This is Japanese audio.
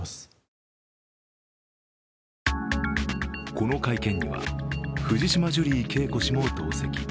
この会見には藤島ジュリー景子氏も同席。